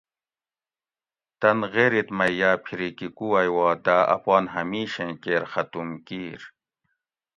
تن غیریت مئ یاۤ پھریکی کُووئ وا داۤ اپان ہمیشیں کیر ختُوم کِیر